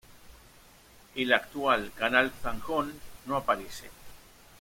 El actual Canal Zanjón no aparece.